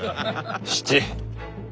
七。